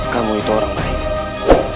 kamu itu orang lain